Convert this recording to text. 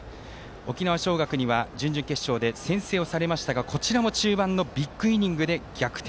沖縄尚学には準々決勝で先制をされましたがこちらも中盤のビッグイニングで逆転。